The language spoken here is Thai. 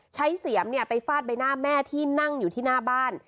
เสียมไปฟาดใบหน้าแม่ที่นั่งอยู่ที่หน้าบ้าน